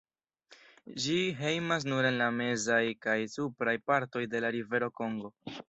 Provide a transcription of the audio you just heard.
Ĝi hejmas nur en la mezaj kaj supraj partoj de la rivero Kongo.